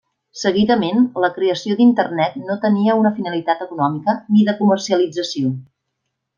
Seguidament, la creació d'internet no tenia una finalitat econòmica, ni de comercialització.